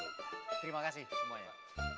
terima kasih semuanya